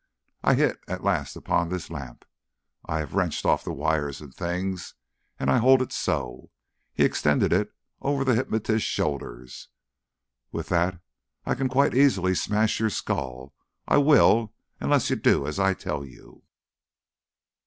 I hit at last upon this lamp. I have wrenched off the wires and things, and I hold it so." He extended it over the hypnotist's shoulders. "With that I can quite easily smash your skull. I will unless you do as I tell you."